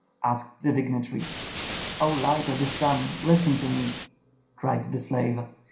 asked the dignitary. "O light of the sun, listen to me!" cried the slave.